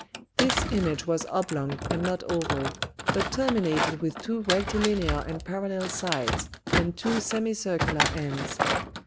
This Image was Oblong and not Oval, but terminated with two Rectilinear and Parallel Sides, and two Semicircular Ends.